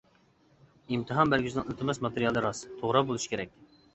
ئىمتىھان بەرگۈچىنىڭ ئىلتىماس ماتېرىيالى راست، توغرا بولۇشى كېرەك.